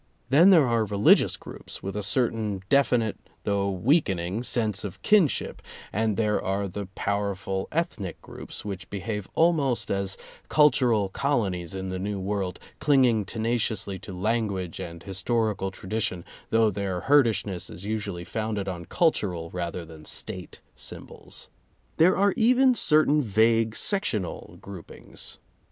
Then there are religious groups with a certain definite, though weakening sense of kinship, and there are the powerful ethnic groups which behave almost as cultural colonies in the New World, clinging tenaciously to language and historical tradition, though their herdishness is usually founded on cultural rather than State symbols. There are even certain vague sectional groupings.